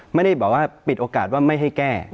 ไม่ได้บอกว่าปิดโอกาสว่าไม่ให้แก้